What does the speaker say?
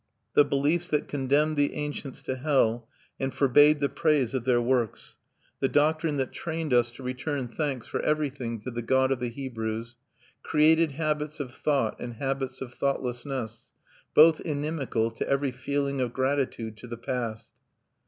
The beliefs that condemned the ancients to hell, and forbade the praise of their works, the doctrine that trained us to return thanks for everything to the God of the Hebrews, created habits of thought and habits of thoughtlessness, both inimical to every feeling of gratitude to the past.